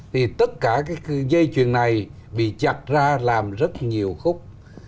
thì tất cả cái dây chuyền này bị chặt ra làm rất nhiều khúc